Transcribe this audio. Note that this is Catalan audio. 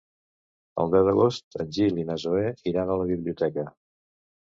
El deu d'agost en Gil i na Zoè iran a la biblioteca.